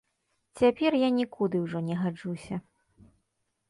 Цяпер я нікуды ўжо не гаджуся.